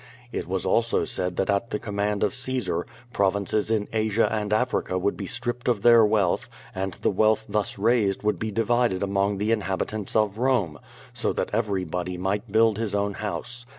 It was also said that at the command of Cae sar, provinces in Asia and Africa would be stripped of their wealth, and the wealth thus raised would be divided among the inhabitants of Rome, so that everybody might build his own house.